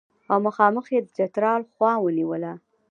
او مخامخ یې د چترال خوا ونیوله.